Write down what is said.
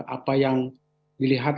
apa yang dilihat